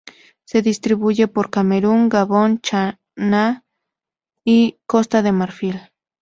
Se distribuye por Camerún, Gabón, Ghana y Costa de Marfil.